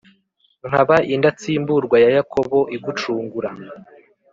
nkaba indatsimburwa ya yakobo igucungura.